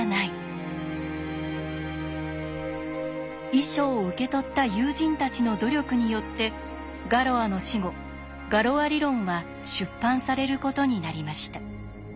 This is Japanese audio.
遺書を受け取った友人たちの努力によってガロアの死後ガロア理論は出版されることになりました。